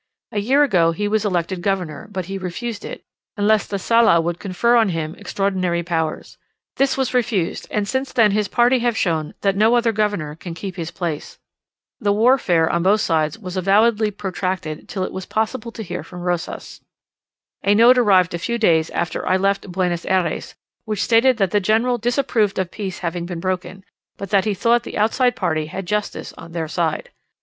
A year ago he was elected governor, but he refused it, unless the Sala would also confer on him extraordinary powers. This was refused, and since then his party have shown that no other governor can keep his place. The warfare on both sides was avowedly protracted till it was possible to hear from Rosas. A note arrived a few days after I left Buenos Ayres, which stated that the General disapproved of peace having been broken, but that he thought the outside party had justice on their side.